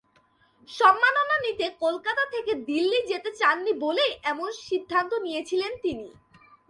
সম্মাননা নিতে কলকাতা থেকে দিল্লি যেতে চাননি বলেই এমন সিদ্ধান্ত নিয়েছিলেন তিনি।